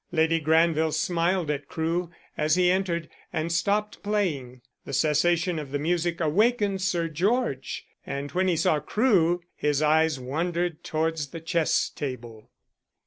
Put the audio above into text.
Lady Granville smiled at Crewe as he entered, and stopped playing. The cessation of the music awakened Sir George, and when he saw Crewe his eyes wandered towards the chess table.